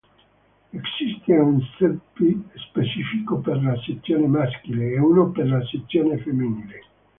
Esiste un CdP specifico per la sezione maschile e uno per la sezione femminile.